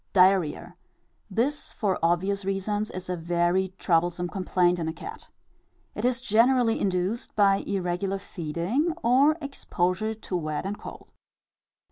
Diarrhœa. This, for obvious reasons, is a very troublesome complaint in a cat. It is generally induced by irregular feeding, or exposure to wet and cold.